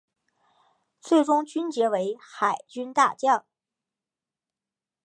最终军阶为海军大将。